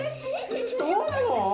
そうなの？